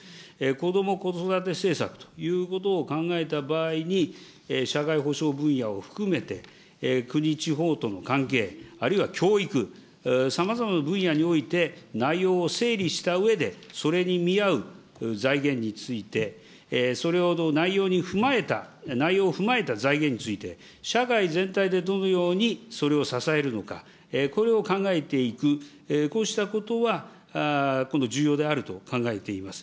こども・子育て政策ということを考えた場合に、社会保障分野を含めて、国、地方との関係、あるいは教育、さまざまな分野において、内容を整理したうえで、それに見合う財源について、それを内容を踏まえた財源について、社会全体でどのようにそれを支えるのか、これを考えていく、こうしたことは、重要であると考えています。